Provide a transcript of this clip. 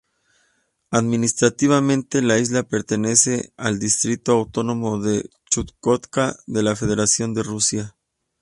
Administrativamente, la isla pertenece al Distrito autónomo de Chukotka de la Federación de Rusia.